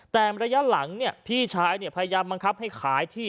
แต่ระยะหลังเนี่ยพี่ชายเนี่ยพยายามบังคับให้ขายที่